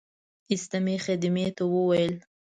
ایسته مې خدمې ته وویل.